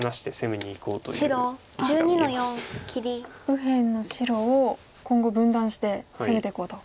右辺の白を今後分断して攻めていこうと。